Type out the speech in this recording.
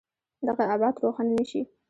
دغه ابعاد روښانه نه شي.